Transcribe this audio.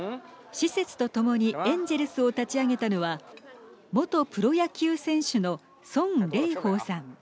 施設とともにエンジェルスを立ち上げたのは元プロ野球選手の孫嶺峰さん。